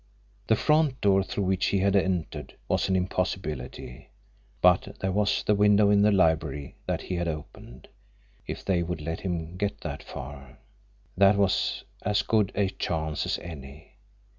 The front door through which he had entered was an impossibility; but there was the window in the library that he had opened if they would let him get that far! That was as good a chance as any.